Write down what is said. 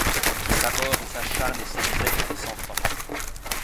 Qui s’abhorre et s’acharne et s’exècre, et sans fin